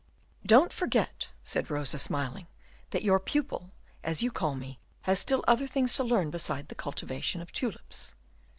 "Don't forget," said Rosa, smiling, "that your pupil, as you call me, has still other things to learn besides the cultivation of tulips."